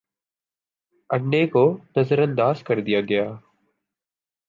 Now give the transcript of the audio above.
انڈے کو نظر انداز کر دیا گیا